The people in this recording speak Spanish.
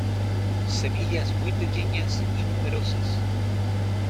Semillas muy pequeñas y numerosas.